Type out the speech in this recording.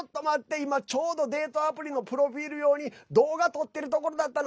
今、ちょうどデートアプリのプロフィール用に動画撮っているところだったの。